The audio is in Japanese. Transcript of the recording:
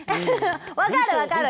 分かる分かる！